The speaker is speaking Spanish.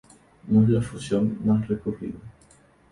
No es la fusión más recurrida.